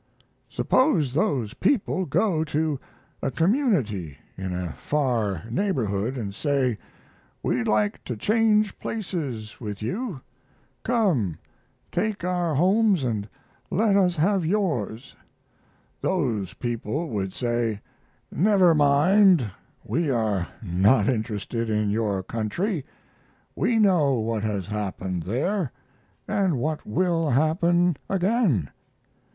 Suppose those people go to a community in a far neighborhood and say, 'We'd like to change places with you. Come take our homes and let us have yours.' Those people would say, 'Never mind, we are not interested in your country. We know what has happened there, and what will happen again.'